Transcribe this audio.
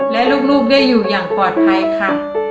และลูกได้อยู่อย่างปลอดภัยค่ะ